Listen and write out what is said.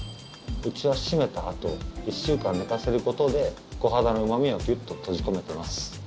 こちら、締めたあと１週間寝かせることでコハダのうま味をギュッと閉じ込めてます。